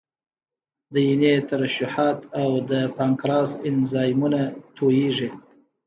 د ینې ترشحات او د پانکراس انزایمونه تویېږي.